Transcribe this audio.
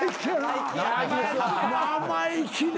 生意気ね。